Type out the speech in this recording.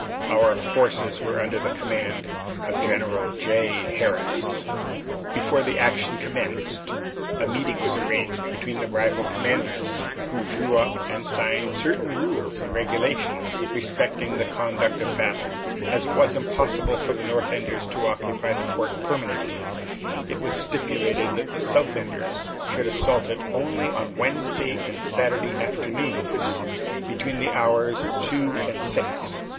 Our forces were under the command of General J. Harris. Before the action commenced, a meeting was arranged between the rival commanders, who drew up and signed certain rules and regulations respecting the conduct of the battle. As it was impossible for the North Enders to occupy the fort permanently, it was stipulated that the South Enders should assault it only on Wednesday and Saturday afternoons between the hours of two and six.